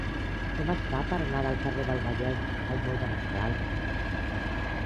Com es fa per anar del carrer del Vallès al moll de Mestral?